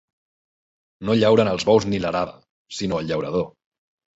No llauren els bous ni l'arada, sinó el llaurador.